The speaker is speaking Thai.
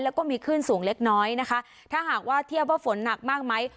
แล้วก็มีคลื่นสูงเล็กน้อยนะคะถ้าหากว่าเทียบว่าฝนหนักมากไหม